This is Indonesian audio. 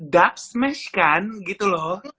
dubsmash kan gitu loh